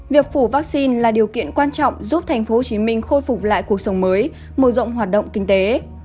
việc phủ vaccine là điều kiện quan trọng giúp tp hcm khôi phục lại cuộc sống mới mở rộng hoạt động kinh tế